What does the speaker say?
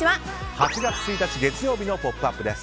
８月１日、月曜日の「ポップＵＰ！」です。